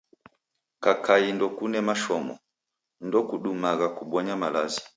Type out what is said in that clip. Kakai ndokune mashomo, ndokudumagha kubonya malazi.